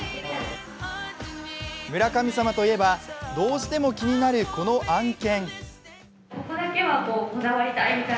村神様といえば、どうしても気になるこの案件。